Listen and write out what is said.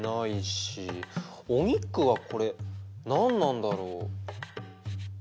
お肉はこれ何なんだろう？